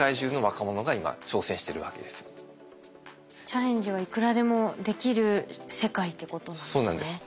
チャレンジはいくらでもできる世界ってことなんですね。